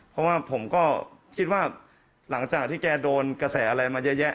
เพราะว่าผมก็คิดว่าหลังจากที่แกโดนกระแสอะไรมาเยอะแยะ